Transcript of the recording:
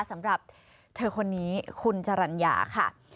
สำหรับเธอคนนี้คุณจรรยาค่ะ